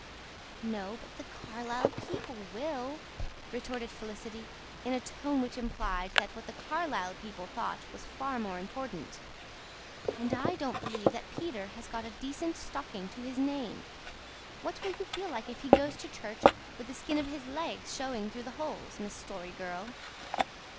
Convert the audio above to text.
"No, but the Carlisle people will," retorted Felicity, in a tone which implied that what the Carlisle people thought was far more important. "And I don't believe that Peter has got a decent stocking to his name. What will you feel like if he goes to church with the skin of his legs showing through the holes, Miss Story Girl?"